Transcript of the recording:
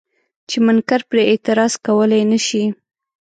چې منکر پرې اعتراض کولی نه شي.